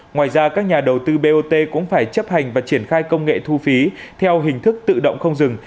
ngoài ra các nhà đầu tư bot cũng phải chấp hành và triển khai công nghệ thu phí theo hình thức tự động không dừng